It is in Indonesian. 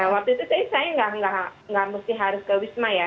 waktu itu saya enggak harus ke wisma ya